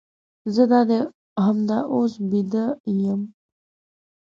زه دادي همدا اوس بیده یم.